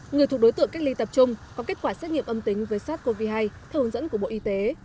người thuộc đối tượng cách ly tập trung có kết quả xét nghiệm âm tính với sars cov hai theo hướng dẫn của bộ y tế